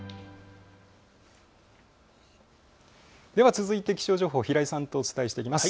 続いて気象情報、平井さんとお伝えしていきます。